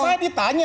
bukan saya ditanya